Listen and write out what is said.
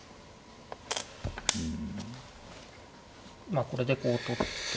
まあこれでこう取って。